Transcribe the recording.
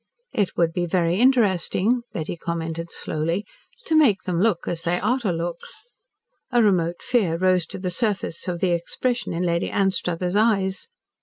"It would be very interesting," Betty commented slowly, "to make them look as they ought to look." A remote fear rose to the surface of the expression in Lady Anstruthers' eyes.